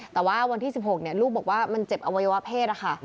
แต่ว่าวันที่๑๖ลูกบอกว่ามันเจ็บอวัยวะเพศค่ะ